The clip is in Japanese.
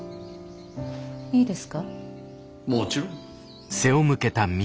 もちろん。